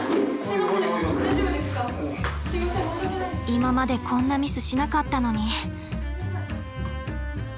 今までこんなミスしなかったのに。